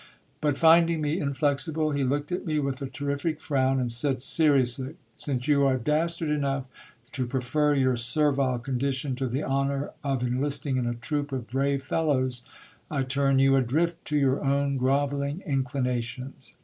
But finding me inflexible, he looked at me with a terrific frown, and said seriously — Since you are dastard enough to prefer your servile condition to the honour of enlisting in a troop of brave fel lows, I turn you adrift to your own grovelling inclinations.